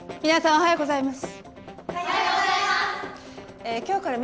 おはようございます！